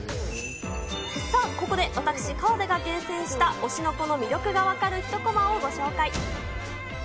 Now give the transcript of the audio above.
さあ、ここで私、河出が厳選した推しの子の魅力が分かる１コマをご紹介。